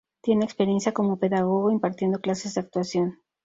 Tiene experiencia como pedagogo impartiendo clases de actuación.